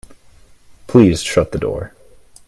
Please shut the door.